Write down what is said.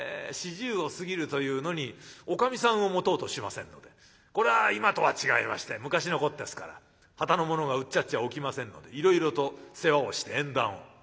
４０を過ぎるというのにおかみさんを持とうとしませんのでこれは今とは違いまして昔のことですからはたの者がうっちゃっちゃおきませんのでいろいろと世話をして縁談を。